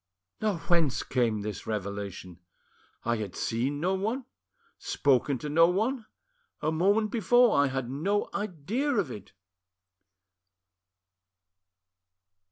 "Now whence came this revelation? I had seen no one, spoken to no one; a moment before I had no idea of it!"